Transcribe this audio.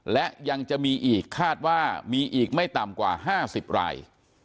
และยังจะมีอีกคาดว่ามีอีกไม่ต่ำกว่า๕๐ราย